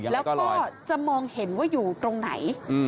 แล้วก็จะมองเห็นว่าอยู่ตรงไหน